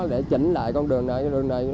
để chỉnh lại con đường này con đường này